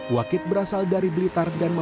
wakit berasal dari jalan ahmad yani